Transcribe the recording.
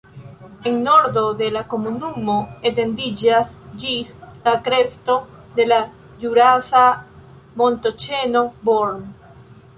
En nordo la komunumo etendiĝas ĝis la kresto de la ĵurasa montoĉeno Born.